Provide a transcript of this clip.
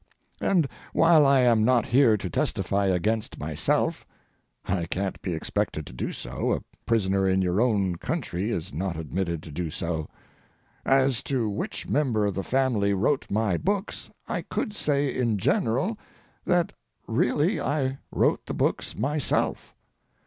And while I am not here to testify against myself—I can't be expected to do so, a prisoner in your own country is not admitted to do so—as to which member of the family wrote my books, I could say in general that really I wrote the books myself.